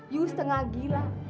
yu setengah gila